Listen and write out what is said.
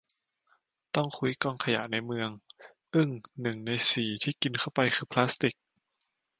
ต้องคุ้ยกองขยะในเมือง อึ้ง หนึ่ง ใน สี่ ที่กินเข้าไปคือพลาสติก